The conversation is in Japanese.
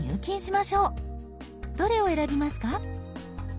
どれを選びますか？